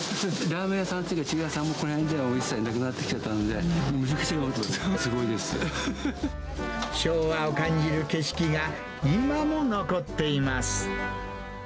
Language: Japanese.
ラーメン屋さんというか、中華屋さんも、この辺では一切お店なくなってきちゃったんで、むちゃくちゃすご昭和を感じる景色が、今も残っています。